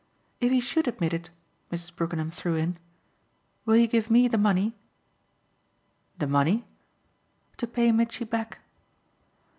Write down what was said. "If he SHOULD admit it," Mrs. Brookenham threw in, "will you give me the money?" "The money?" "To pay Mitchy back."